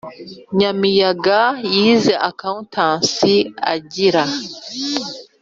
Nyamiyaga yize accountancy agira